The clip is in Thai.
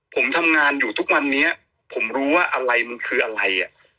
ผมทำงานอยู่ทุกวันนี้ผมรู้ว่าอะไรมันคืออะไรอ่ะ